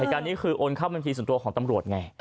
การนี้คือโอนเข้าบัญชีส่วนตัวของตำรวจไง